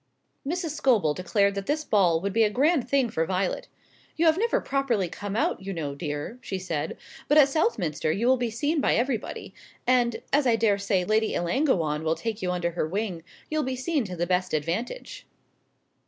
Mrs. Scobel declared that this ball would be a grand thing for Violet. "You have never properly come out, you know, dear," she said; "but at Southminster you will be seen by everybody; and, as I daresay Lady Ellangowan will take you under her wing, you'll be seen to the best advantage."